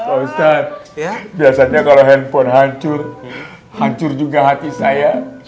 pak ustadz biasanya kalau handphone hancur hancur juga hati saya